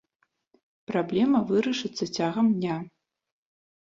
Праблема вырашыцца цягам дня.